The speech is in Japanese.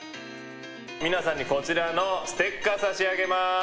皆さんに、こちらのステッカー差し上げます。